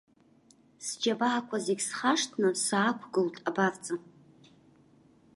Сџьабаақәа зегь схашҭны саақәгылт абарҵа.